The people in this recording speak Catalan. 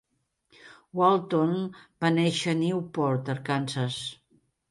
Walton va néixer a Newport (Arkansas).